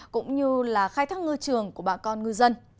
cũng như là khai thác ngư trường của bà con ngư dân